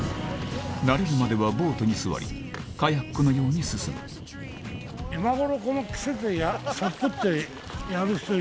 慣れるまではボートに座りカヤックのように進む今頃。